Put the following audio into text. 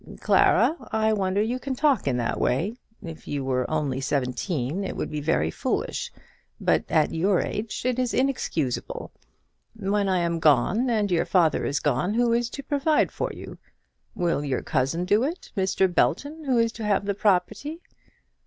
"Clara, I wonder you can talk in that way. If you were only seventeen it would be very foolish; but at your age it is inexcusable. When I am gone, and your father is gone, who is to provide for you? Will your cousin do it Mr. Belton, who is to have the property?"